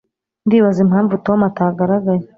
Ndibaza impamvu Tom atagaragaye